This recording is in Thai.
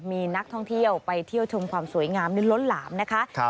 มีนักท่องเที่ยวไปเที่ยวชมความสวยงามนี่ล้นหลามนะคะ